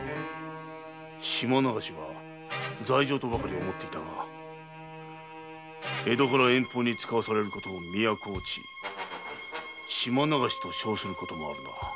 “島流し”は罪状とばかり思っていたが江戸から遠方に遣わされることを“都落ち”“島流し”とも称するな。